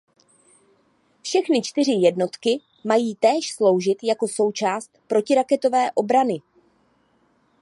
Všechny čtyři jednotky mají též sloužit jako součást protiraketové obrany.